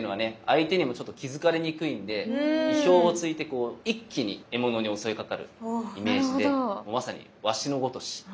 相手にもちょっと気づかれにくいんで意表をついてこう一気に獲物に襲いかかるイメージでまさに鷲のごとし。